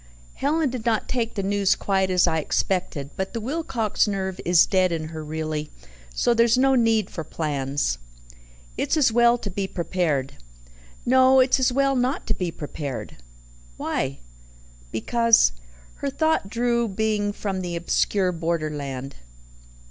"Helen did not take the news quite as I expected, but the Wilcox nerve is dead in her really, so there's no need for plans." "It's as well to be prepared." "No it's as well not to be prepared." "Because ' Her thought drew being from the obscure borderland.